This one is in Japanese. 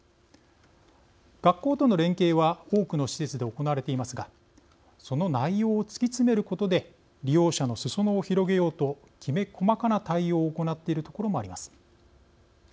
学校との連携は多くの施設で行われていますがその内容を突き詰めることで利用者のすそ野を広げようときめ細かな対応を行っている所もあります。